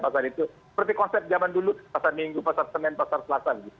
seperti konsep zaman dulu pasar minggu pasar senen pasar selatan